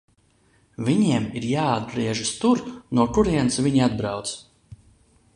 Viņiem ir jāatgriežas tur, no kurienes viņi atbrauca.